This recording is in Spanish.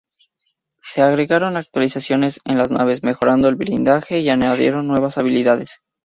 Se agregaron actualizaciones en las naves, mejorando el blindaje y añadiendo nuevas habilidades.